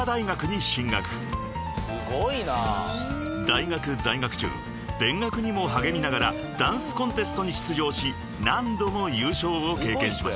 ［大学在学中勉学にも励みながらダンスコンテストに出場し何度も優勝を経験しました］